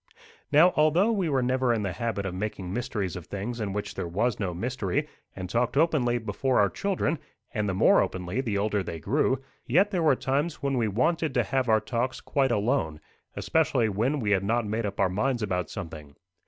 Now although we were never in the habit of making mysteries of things in which there was no mystery, and talked openly before our children, and the more openly the older they grew, yet there were times when we wanted to have our talks quite alone, especially when we had not made up our minds about something.